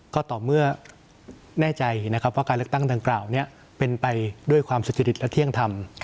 ก็ต่อเมื่อแน่ใจนะครับว่าการเลือกตั้งดังกล่าวนี้เป็นไปด้วยความสุจริตและเที่ยงธรรม